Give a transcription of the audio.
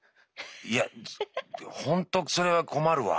いやほんとそれは困るわ。